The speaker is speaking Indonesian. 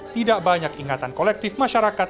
tidak banyak ingatan kolektif masyarakat